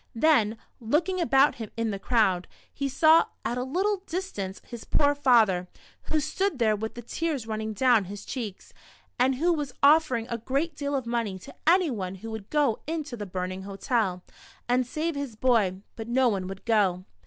Then, looking about him in the crowd, he saw at a little distance, his poor father, who stood there with the tears running down his cheeks, and who was offer ing a great deal of money to anyone who would go into the burning hotel, and save his boy, but no one would go.